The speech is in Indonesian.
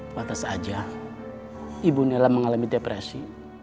patah saja ibu nella mengalami depresi